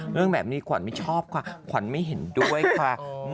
เรื่องแบบนี้ขวัญไม่ชอบค่ะขวัญไม่เห็นด้วยค่ะ